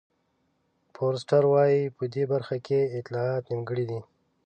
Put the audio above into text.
فورسټر وایي په دې برخه کې اطلاعات نیمګړي دي.